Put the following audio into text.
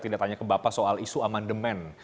tidak tanya ke bapak soal isu amandemen